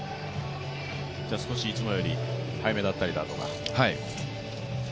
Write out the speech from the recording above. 少しいつもより早めだったりだとか。